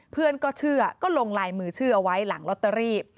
เพื่อนก็เชื่อก็ลงลายมือชื่อเอาไว้หลังลอตเตอรี่